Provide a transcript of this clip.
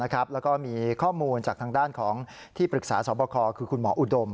แล้วก็มีข้อมูลจากทางด้านของที่ปรึกษาสอบคอคือคุณหมออุดม